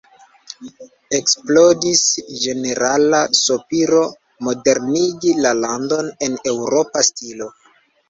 Eksplodis ĝenerala sopiro modernigi la landon en eŭropa stilo.